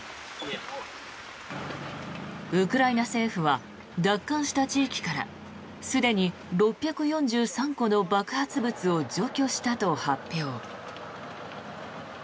ウクライナ政府は奪還した地域からすでに６４３個の爆発物を除去したと発表。